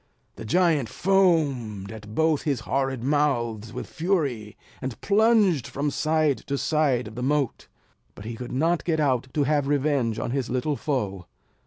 The giant foamed at both his horrid mouths with fury, and plunged from side to side of the moat; but he could not get out to have revenge on his little foe.